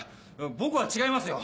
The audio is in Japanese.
僕は違います